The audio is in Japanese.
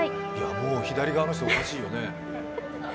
もう左側の人、おかしいよね